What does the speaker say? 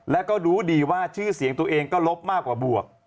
แล้วก็รู้ดีว่าชื่อเสียงตัวเองก็ลบมากกว่าบวก